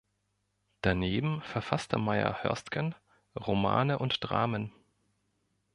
Daneben verfasste Meyer-Hörstgen Romane und Dramen.